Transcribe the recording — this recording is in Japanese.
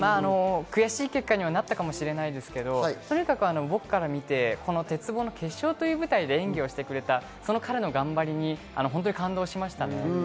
悔しい結果になったかもしれませんが、とにかく僕から見て、この鉄棒の決勝という舞台で演技をしてくれたその彼の頑張りに本当に感動しましたね。